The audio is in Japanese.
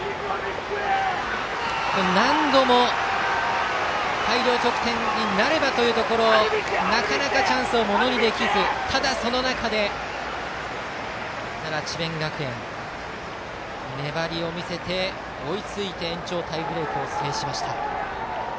何度も大量得点になればというところなかなかチャンスをものにできずただその中で奈良・智弁学園は粘りを見せて追いついて延長タイブレークを制しました。